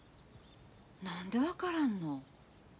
何で分からんの？